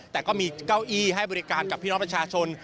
แต่ก็มีเก้าอี้ให้บริการกับพี่น้องประชาชน